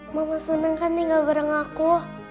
mama senang kan tinggal bareng aku